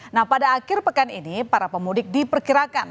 nah pada akhir pekan ini para pemudik diperkirakan